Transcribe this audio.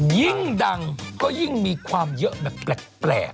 ยิ่งดังก็ยิ่งมีความเยอะแบบแปลก